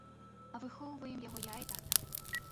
А выхоўваем яго я і тата.